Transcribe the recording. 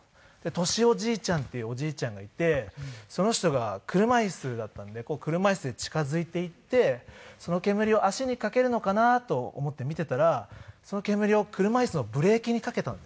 トシおじいちゃんっていうおじいちゃんがいてその人が車椅子だったんで車椅子で近づいていってその煙を足にかけるのかなと思って見ていたらその煙を車椅子のブレーキにかけたんですね。